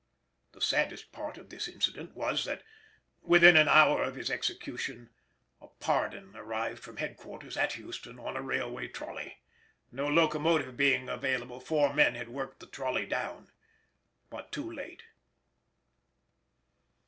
The saddest part of this incident was, that within an hour of his execution a pardon arrived from headquarters at Houston on a railway trolly; no locomotive being available four men had worked the trolly down, but too late.